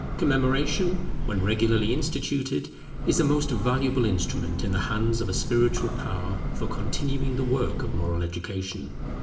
Commemoration, when regularly instituted, is a most valuable instrument in the hands of a spiritual power for continuing the work of moral education.